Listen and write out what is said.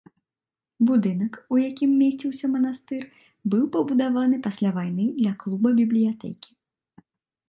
Будынак, у якім месціўся манастыр, быў пабудаваны пасля вайны для клуба-бібліятэкі.